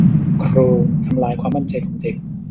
ครูทำลายความมั่นใจของเด็ก